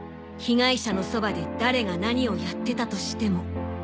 被害者のそばで誰が何をやってたとしても。